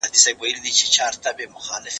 زه له سهاره د سبا لپاره د هنرونو تمرين کوم!!